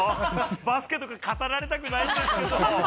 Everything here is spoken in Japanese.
バスケとか語られたくないんですけど。